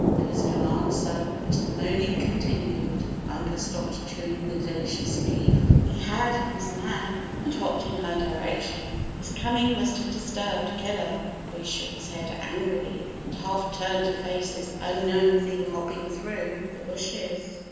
There was no answer but the moaning con tinued. Bumper stopped chewing the delicious leaf he had in his mouth, and hopped in her di rection. His coming must have disturbed Killer, for he shook his head angrily, and half turned to face this unknown thing hopping through the hushes.